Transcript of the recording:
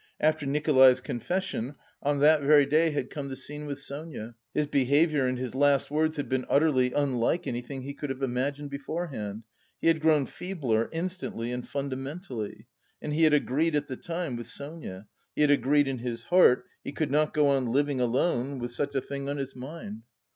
After Nikolay's confession, on that very day had come the scene with Sonia; his behaviour and his last words had been utterly unlike anything he could have imagined beforehand; he had grown feebler, instantly and fundamentally! And he had agreed at the time with Sonia, he had agreed in his heart he could not go on living alone with such a thing on his mind!